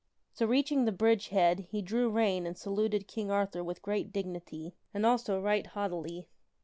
So, reaching the bridge head, he drew rein and saluted King Arthur with great dignity, and also right haughtily.